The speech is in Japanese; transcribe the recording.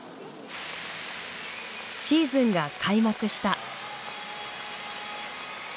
シーズンが開幕した。